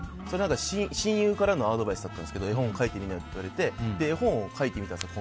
親友からのアドバイスだったんですけど絵本を描いてみなよって言われて絵本を描いてみたんですよ